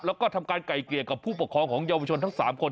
แล้วก็ทำการไก่เกลี่ยกับผู้ปกครองของเยาวชนทั้ง๓คน